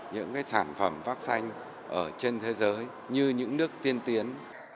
những sản phẩm vaccine ở trên thế giới như những nước tiên tiến